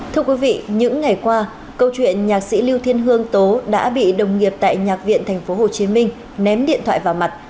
thưa quý vị những ngày qua câu chuyện nhạc sĩ lưu thiên hương tố đã bị đồng nghiệp tại nhạc viện tp hcm ném điện thoại vào mặt